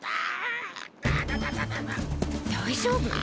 大丈夫？